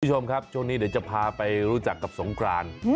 คุณผู้ชมครับช่วงนี้เดี๋ยวจะพาไปรู้จักกับสงกราน